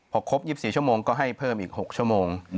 พอครบ๒๔ชั่วโมงก็ให้เพิ่มอีก๖ชั่วโมง